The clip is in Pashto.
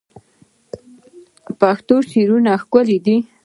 پښتو شعرونه ښکلي دي